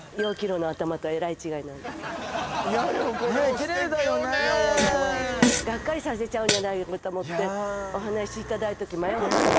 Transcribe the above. きれいだよねがっかりさせちゃうんじゃないかと思ってお話いただいた時迷ったんです